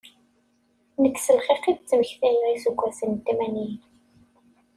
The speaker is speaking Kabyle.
Nekk s lxiq i d-ttmektiɣ iseggasen n tmanyin.